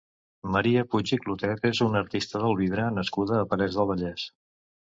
Maria Puig i Clotet és una artista del vidre nascuda a Parets del Vallès.